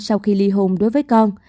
sau khi ly hôn đối với con